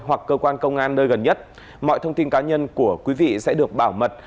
hoặc cơ quan công an nơi gần nhất mọi thông tin cá nhân của quý vị sẽ được bảo mật